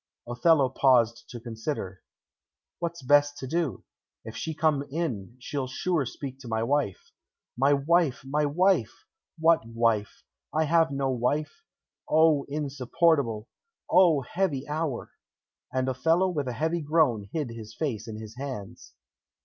Othello paused to consider. "What's best to do? If she come in, she'll sure speak to my wife. My wife! my wife! What wife? I have no wife. O, insupportable! O, heavy hour!" And Othello with a heavy groan hid his face in his hands.